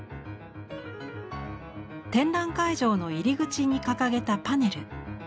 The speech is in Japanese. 展覧会場の入り口に掲げたパネル。